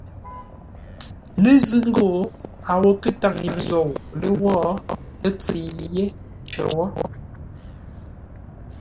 Lə́ zʉ́ ńgó a wó nkə́ ntâŋ ye zou lə́wó, ə́ ntsə̌i yé cər wó.